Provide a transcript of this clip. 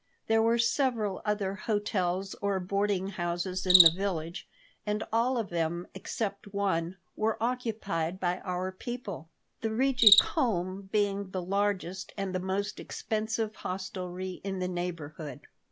There were several other hotels or boarding houses in the village, and all of them except one were occupied by our people, the Rigi Kulm being the largest and most expensive hostelry in the neighborhood.